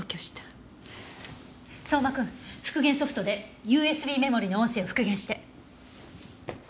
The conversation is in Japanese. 相馬くん復元ソフトでＵＳＢメモリの音声を復元して。